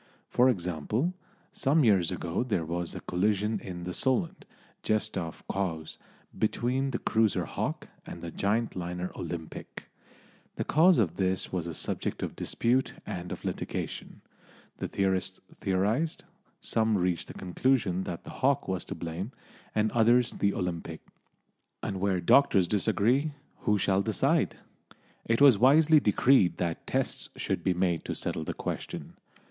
For example, some years ago there was a collision in the Solent, just off Cowes, between the cruiser Hawke and the giant liner Olympic. The cause of this was a subject of dispute and of litigation; the theorists theorised; some reached the conclusion that the Hawke was to blame, and others the Olympic; and where doctors disagree who shall decide? It was wisely decreed that tests should be made to settle the question.